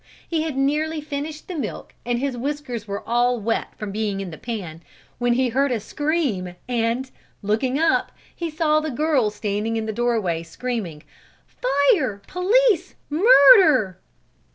He had nearly finished the milk and his whiskers were all wet from being in the pan, when he heard a scream and, looking up, he saw the girl standing in the doorway, screaming: "Fire! police! murder!"